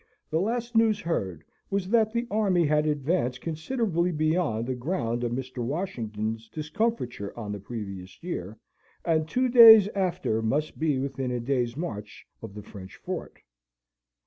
The last news heard was that the army had advanced considerably beyond the ground of Mr. Washington's discomfiture on the previous year, and two days after must be within a day's march of the French fort.